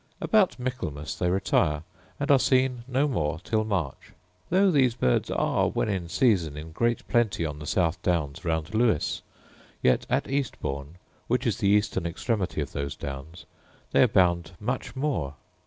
About Michaelmas they retire and are seen no more till March. Though these birds are, when in season, in great plenty on the south downs round Lewes, yet at East Bourn, which is the eastern extremity of those downs, they abound much more.